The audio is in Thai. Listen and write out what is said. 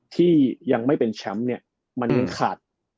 ที่ยังไม่เป็นแชมป์เนี่ยมันยังขาด